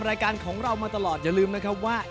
รายการของเรามาตลอดอย่าลืมนะครับว่า